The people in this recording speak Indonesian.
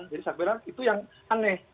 saya bilang itu yang aneh